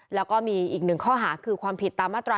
แล้วก็มีอีกหนึ่งข้อหาคือความผิดตามมาตรา๑